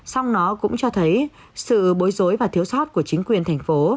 xong nó cũng cho thấy sự bối rối và thiếu sót của chính quyền thành phố